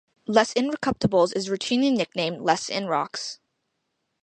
Les Inrockuptibles is routinely nicknamed "Les Inrocks".